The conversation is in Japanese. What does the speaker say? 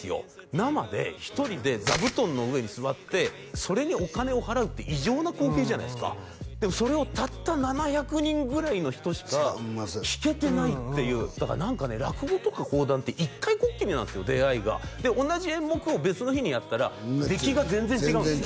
生で一人で座布団の上に座ってそれにお金を払うって異常な光景じゃないですかでもそれをたった７００人ぐらいの人しか聴けてないっていうだから何かね落語とか講談って一回こっきりなんですよ出会いがで同じ演目を別の日にやったら出来が全然違うんですよ